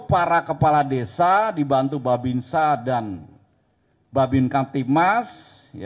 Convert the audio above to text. para kepala desa dibantu babinsa dan babinkan timas